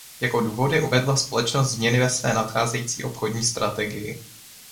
Jako důvody uvedla společnost změny ve své nadcházející obchodní strategii.